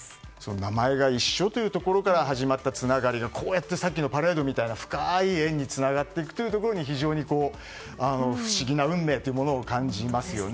名前が一緒ということから始まったつながりがこうやって、さっきのパレードみたいな深い縁につながっていくというところに不思議な運命を感じますよね。